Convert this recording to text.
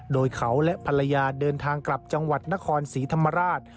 โดยเขาและภรรยาเดินทางกลับจังหวัดนครศรีธรรมราช